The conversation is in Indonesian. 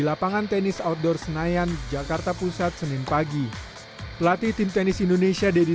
di lapangan tenis outdoor senayan jakarta pusat senin pagi pelatih tim tenis indonesia deddy